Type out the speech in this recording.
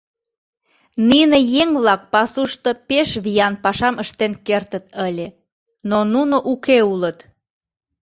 Нине еҥ-влак пасушто пеш виян пашам ыштен кертыт ыле, но нуно уке улыт.